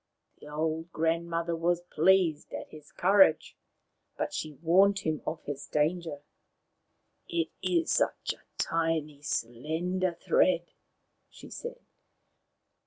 The Old Grandmother was pleased at his courage, but she warned him of his danger. " It is such a tiny, slender thread," she said.